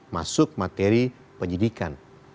masuk materi penyelidikan